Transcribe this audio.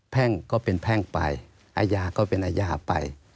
แพ่งก็เป็นแพ่งไปอาญาก็เป็นอาญาไป